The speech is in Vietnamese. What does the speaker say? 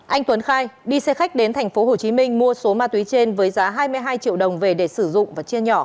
anh tuấn khai đi xe khách đến tp hcm mua số ma túy trên với giá hai mươi hai triệu đồng về để sử dụng và chia nhỏ